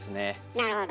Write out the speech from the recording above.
なるほど。